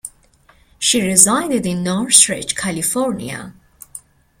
She resided in Northridge, California.